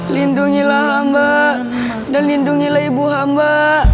lindungilah mbak dan lindungilah ibu hamba